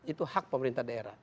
itu hak pemerintah daerah